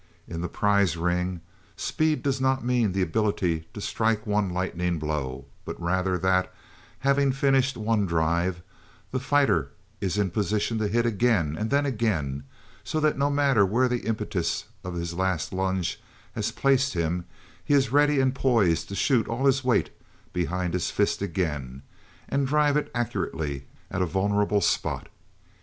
In the prize ring speed does not mean the ability to strike one lightning blow, but rather that, having finished one drive, the fighter is in position to hit again, and then again, so that no matter where the impetus of his last lunge has placed him he is ready and poised to shoot all his weight behind his fist again and drive it accurately at a vulnerable spot.